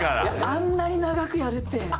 あんなに長くやるって。